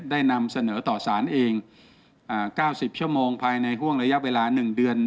นำเสนอต่อสารเอง๙๐ชั่วโมงภายในห่วงระยะเวลา๑เดือน